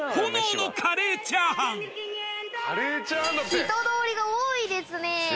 人通りが多いですね。